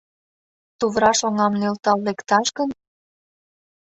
Тувраш оҥам нӧлтал лекташ гын?